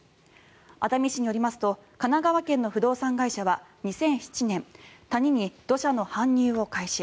熱海市によりますと神奈川県の不動産会社は２００７年谷に土砂の搬入を開始。